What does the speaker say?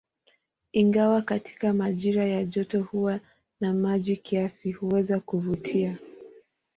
Ingawa katika majira ya joto huwa na maji kiasi, huweza kuvutia.